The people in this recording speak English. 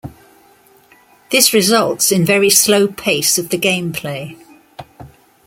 This results in very slow pace of the gameplay.